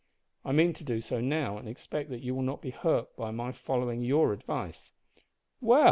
I mean to do so now, and expect that you will not be hurt by my following your advice." "Well!"